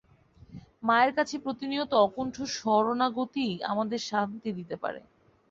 মায়ের কাছে প্রতিনিয়ত অকুণ্ঠ শরণাগতিই আমাদের শান্তি দিতে পারে।